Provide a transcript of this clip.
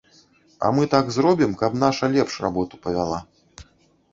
А мы так зробім, каб наша лепш работу павяла.